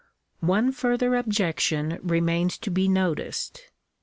One further objection remains to be noticed.